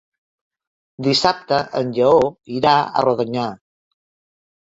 Dissabte en Lleó irà a Rodonyà.